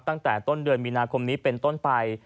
ตั้งแต่ต้นเดือนมีนาคมนี้เป็นต้นไป